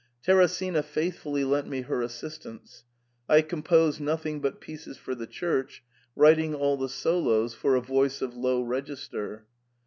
Teresina faithfully lent me her assistance. I composed nothing but pieces for the Church, writing all the solos for a voice of low register.